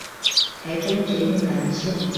台中捷運藍線